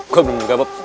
gua belom gabap